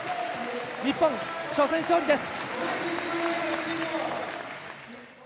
日本、初戦勝利です。